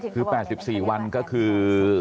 คือ๘๔วันก็คือ